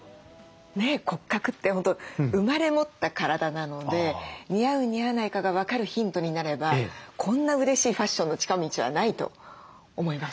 ねえ骨格って本当生まれ持った体なので似合う似合わないかが分かるヒントになればこんなうれしいファッションの近道はないと思います。